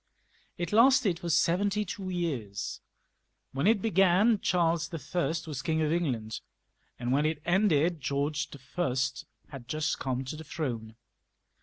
It lasted for seventy two years. When it began Charles L was King of England, and when it ended Oeorge I. had just come to the throne.